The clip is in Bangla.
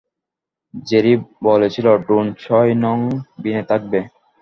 জেরি বলেছিল ড্রোন ছয় নং বিনে থাকবে।